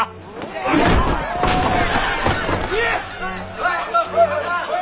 はい！